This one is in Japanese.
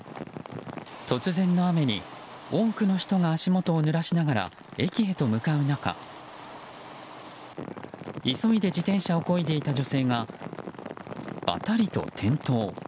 突然の雨に多くの人が足元をぬらしながら駅へと向かう中、急いで自転車をこいでいた女性がばたりと転倒。